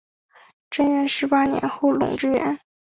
贞元十八年后垄之原。